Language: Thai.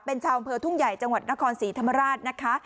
เป็นชาวอำเภอทุ่งใหญ่จังหวัดนครศรีธรรมราชนะคะ